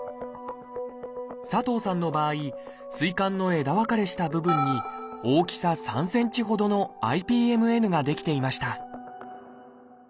佐藤さんの場合膵管の枝分かれした部分に大きさ３ｃｍほどのＩＰＭＮが出来ていました